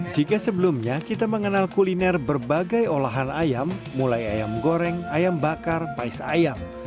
jika sebelumnya kita mengenal kuliner berbagai olahan ayam mulai ayam goreng ayam bakar pais ayam